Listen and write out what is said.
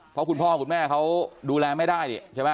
เพราะคุณพ่อคุณแม่เขาดูแลไม่ได้นี่ใช่ไหม